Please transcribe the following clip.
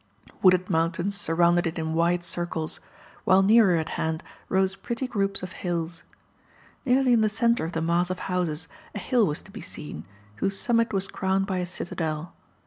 Wooded mountains surrounded it in wide circles, while nearer at hand rose pretty groups of hills. Nearly in the centre of the mass of houses a hill was to be seen, whose summit was crowned by a citadel.